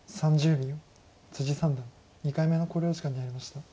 三段２回目の考慮時間に入りました。